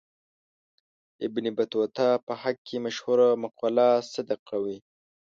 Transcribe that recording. ابن بطوطه په حق کې مشهوره مقوله صدق کوي.